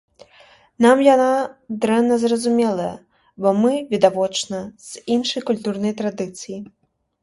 Нам яна дрэнна зразумелая, бо мы, відавочна, з іншай культурнай традыцыі.